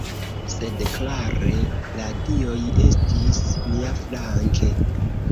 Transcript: Sed klare la dioj estis niaflanke.